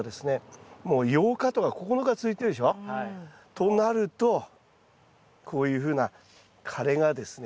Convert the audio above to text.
となるとこういうふうな枯れがですね出てくる。